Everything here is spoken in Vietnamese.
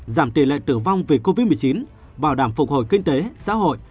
giảm tỷ lệ tử vong vì covid một mươi chín bảo đảm phục hồi kinh tế xã hội